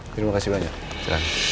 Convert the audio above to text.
terima kasih banyak